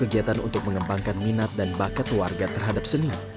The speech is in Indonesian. kegiatan untuk mengembangkan minat dan bakat warga terhadap seni